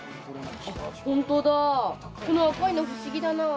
ホントだこの赤いの不思議だなぁ。